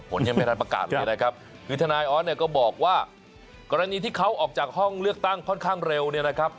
ยังไม่ทันประกาศเลยนะครับคือทนายออสเนี่ยก็บอกว่ากรณีที่เขาออกจากห้องเลือกตั้งค่อนข้างเร็วเนี่ยนะครับ